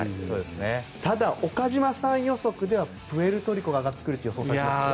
ただ、岡島さん予測ではプエルトリコが上がってくると予想されていますね。